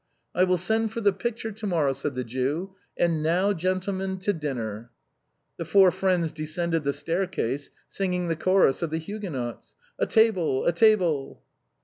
" I will send for the picture to morrow," said the Jew ;" and now, gentlemen, to dinner !" The four friends descended the staircase, singing the chorus of "The Huguenots"—"^ table, a table!"